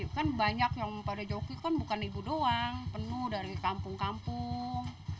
kan banyak yang pada joki kan bukan ibu doang penuh dari kampung kampung